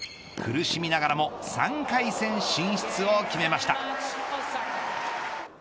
苦しみながらも３回戦進出を決めました。